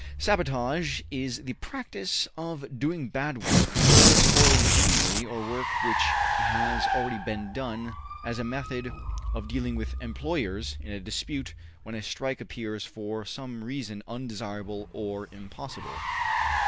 Sabotage is the practice of doing bad work, or spoiling machinery or work which has already been done, as a method of dealing with employers in a dispute when a strike appears for some reason undesirable or impossible.